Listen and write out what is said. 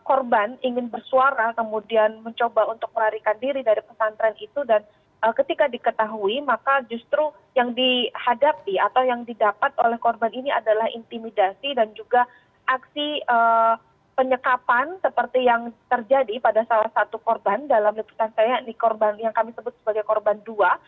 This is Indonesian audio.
korban ingin bersuara kemudian mencoba untuk melarikan diri dari pesantren itu dan ketika diketahui maka justru yang dihadapi atau yang didapat oleh korban ini adalah intimidasi dan juga aksi penyekapan seperti yang terjadi pada salah satu korban dalam leputan saya yang kami sebut sebagai korban dua